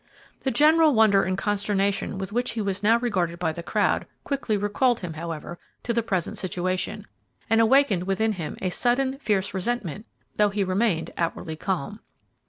The general wonder and consternation with which he was now regarded by the crowd quickly recalled him, however, to the present situation, and awakened within him a sudden, fierce resentment, though he remained outwardly calm.